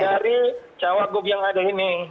dari cawagup yang ada ini